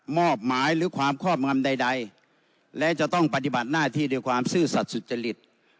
มอบหมายหรือความครอบงำใดและจะต้องปฏิบัติหน้าที่ด้วยความซื่อสัตว์สุจริต